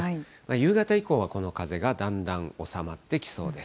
夕方以降はこの風がだんだん収まってきそうです。